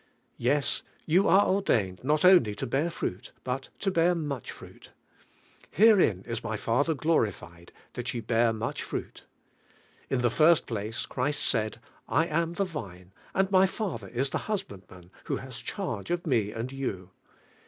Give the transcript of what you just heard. Yes, you are ordained not only to hour fruit, but i,, bear much fruit. "Herein is My Father glorified, lhai ye bear n h trait." In the first place, Christ said: "I am the Vine, and My Father is the Husbandman who lias charge of Me and you."